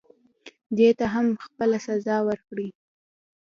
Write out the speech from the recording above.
دې ته هم خپله سزا ورکړئ.